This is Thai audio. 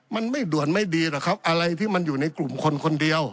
มันไม่ด่วนไม่ดีหรอกครับอะไรที่มันอยู่ในกลุ่มคนคนเดียว